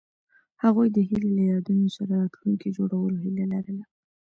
هغوی د هیلې له یادونو سره راتلونکی جوړولو هیله لرله.